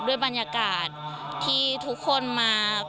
ด้วยบรรยากาศที่ทุกคนมา